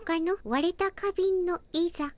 われた花びんのいざ。